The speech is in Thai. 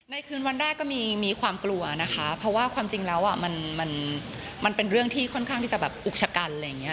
คืนวันแรกก็มีความกลัวนะคะเพราะว่าความจริงแล้วมันเป็นเรื่องที่ค่อนข้างที่จะแบบอุกชะกันอะไรอย่างนี้